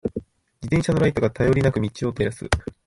自転車のライトが、頼りなく道を照らす。